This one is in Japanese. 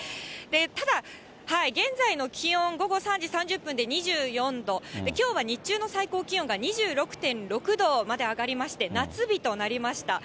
ただ、現在の気温、午後３時３０分で２４度、きょうは日中の最高気温が２６．６度まで上がりまして、夏日となりました。